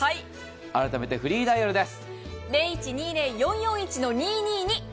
改めて、フリーダイヤルです。